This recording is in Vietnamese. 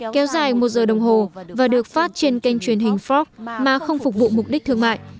kéo dài một giờ đồng hồ và được phát trên kênh truyền hình fox mà không phục vụ mục đích thương mại